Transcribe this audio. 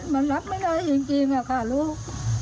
มันรับไม่ได้จริงจริงอะค่ะลูก